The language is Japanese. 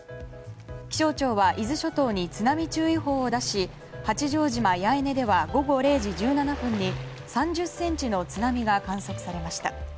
気象庁は伊豆諸島に津波注意報を出し八丈島八重根では午後０時１７分に３０ｃｍの津波が観測されました。